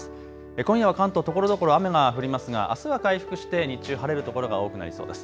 今夜は関東ところどころ雨が降りますがあすは回復して日中晴れる所が多くなりそうです。